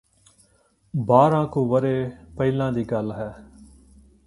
ਬਾਰ੍ਹਾਂ ਕੁ ਵਰ੍ਹੇ ਪਹਿਲਾਂ ਦੀ ਗੱਲ ਹੈ